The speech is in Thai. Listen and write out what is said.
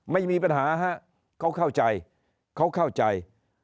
ไม่มีปัญหาฮะเขาเข้าใจเขาเข้าใจ